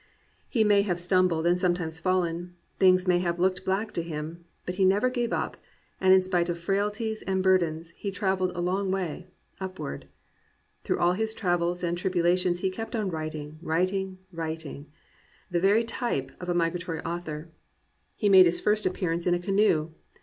He may have stumbled and sometimes fallen, things may have looked black to him; but he never gave up, and in spite of frailties and burdens, he travelled a long way, — ^upward. Through all his travels and tribulations he kept on writing, writing, writing, — the very type of a migratory author. He made his 364 AN ADVENTURER first appearance in a canoe.